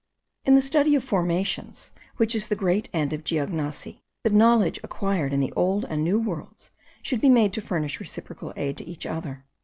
In the study of formations, which is the great end of geognosy, the knowledge acquired in the old and new worlds should be made to furnish reciprocal aid to each other.